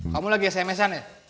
kamu lagi sms an ya